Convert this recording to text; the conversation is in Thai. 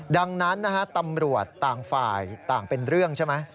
ดังนั้นนะฮะตำรวจต่างฝ่ายต่างเป็นเรื่องใช่ไหม